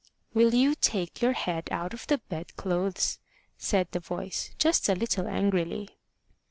"Will you take your head out of the bed clothes?" said the voice, just a little angrily.